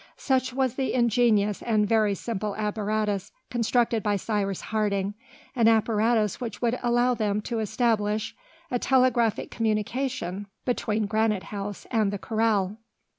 Such was the ingenious and very simple apparatus constructed by Cyrus Harding, an apparatus which would allow them to establish a telegraphic communication between Granite House and the corral.